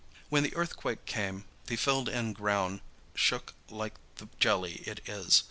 When the earthquake came, the filled in ground shook like the jelly it is.